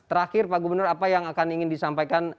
terakhir pak gubernur apa yang akan ingin disampaikan